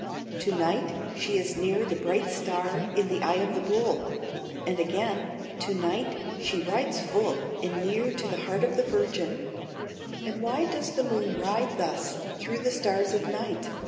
"To night she is near the bright star in the eye of the Bull." And again: "To night she rides full, and near to the heart of the Virgin." And why does the moon ride thus through the stars of night?